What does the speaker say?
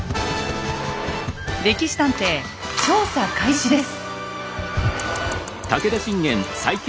「歴史探偵」調査開始です。